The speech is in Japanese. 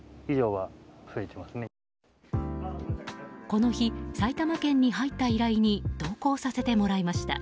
この日、埼玉県に入った依頼に同行させてもらいました。